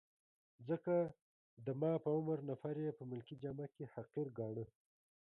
ځکه د ما په عمر نفر يې په ملکي جامه کي حقیر ګاڼه.